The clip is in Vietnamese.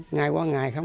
ngay qua ngày